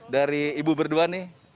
dari ibu berdua nih